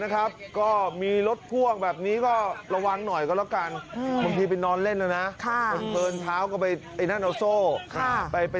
อ๋อขาได้เจ็บเหรออ๋ออ๋อคัดดูดินิ้วเข้าไปขัดในหน้านะ